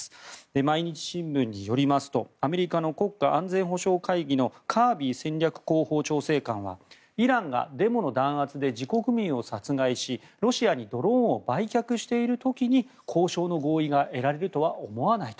毎日新聞によりますとアメリカの国家安全保障会議のカービー戦略広報調整官はイランがデモの弾圧で自国民を殺害し、ロシアにドローンを売却している時に交渉の合意が得られるとは思わないと。